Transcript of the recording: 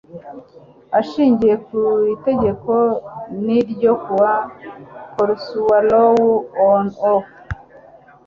ashingiye ku itegeko n ryo kuwa pursuant law n of